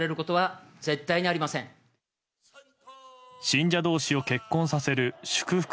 信者同士を結婚させる祝福